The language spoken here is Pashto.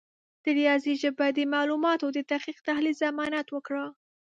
د ریاضي ژبه د معلوماتو د دقیق تحلیل ضمانت وکړه.